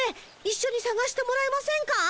一緒にさがしてもらえませんか？